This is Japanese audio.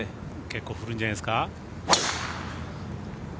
結構振るんじゃないですか。